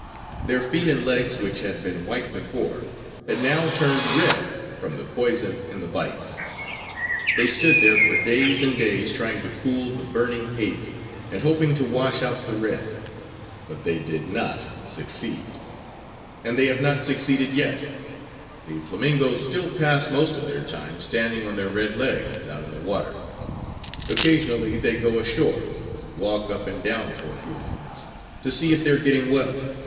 Their feet and legs, which had been white before, had now turned red from the poison in the bites. They stood there for days and days, trying to cool the burning ache, and hoping to wash out the red. [Illustration: "The flamingoes ... hopped down to the river, and waded out ... to relieve their pain."] But they did not succeed. And they have not succeeded yet. The flamingoes still pass most of their time standing on their red legs out in the water. Occasionally they go ashore and walk up and down for a few moments to see if they are getting well.